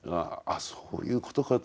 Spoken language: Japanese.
あそういうことかと。